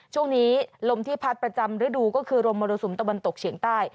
ช่วงนี้ลมที่พัดประจำฤดูก็คือลมมรสุมตะวันตกเฉียงใต้